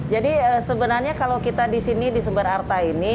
jadi sebenarnya kalau kita di sini di sumber arta ini